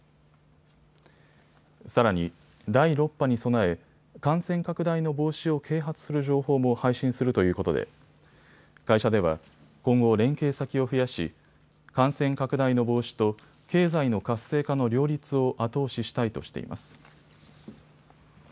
さらに、第６波に備え感染拡大の防止を啓発する情報も配信するということで会社では今後、連携先を増やし感染拡大の防止と経済の活性化の両立を後押ししたいとしています。